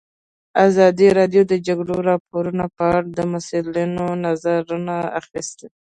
ازادي راډیو د د جګړې راپورونه په اړه د مسؤلینو نظرونه اخیستي.